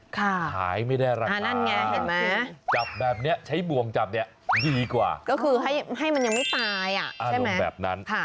ก็คือให้มันยังไม่ตายอารมณ์แบบนั้น